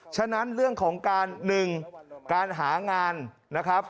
ฉะนั้นเรื่องของการ๑การหางานนะครับ